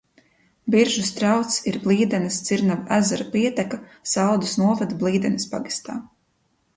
Biržu strauts ir Blīdenes dzirnavu ezera pieteka Saldus novada Blīdenes pagastā.